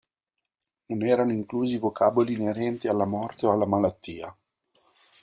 Non erano inclusi vocaboli inerenti alla morte o alla malattia.